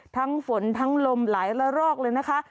ทั้งฝนทั้งลมหลายละรอกเลยนะคะ